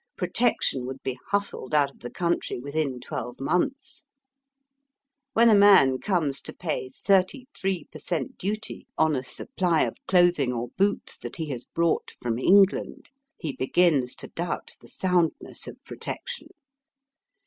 Protec tion would be hustled out of the country within twelve months. When a man comes to pay thirty three per cent, duty on a supply of clothing or boots that he has brought from VOL. L 10 Digitized by VjOOQIC 146 EAST BY WEST. England, he begins to doubt the soundness of Protection.